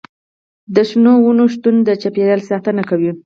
د شنو ونو شتون د چاپیریال ساتنه کوي.